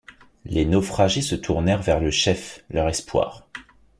Les naufragés se tournèrent vers le chef, leur espoir.